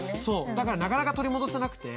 だからなかなか取り戻せなくて。